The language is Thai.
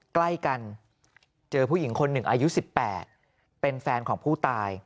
ใกล้กันเจอผู้หญิงคนหนึ่งอายุ๑๘เป็นแฟนของผู้ตาย